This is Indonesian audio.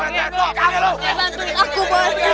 bantu aku boy